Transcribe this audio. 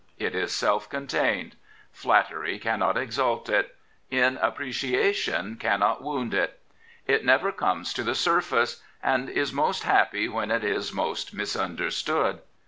It is self contained. Flatt^JX cannot e:?mjjt it ; inappreciation cannot wound it. It never comes to the surface, and is most happy when it is most misunderstood.